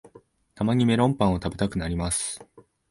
たまにメロンパンを食べたくなります